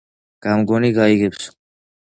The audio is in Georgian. გამგონი გაიგონებსო.